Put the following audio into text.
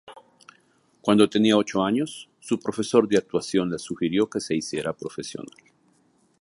Cuando tenía ocho años, su profesor de actuación le sugirió que se hiciera profesional.